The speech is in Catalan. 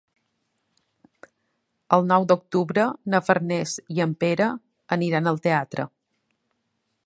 El nou d'octubre na Farners i en Pere aniran al teatre.